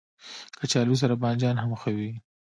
کچالو سره بانجان هم ښه وي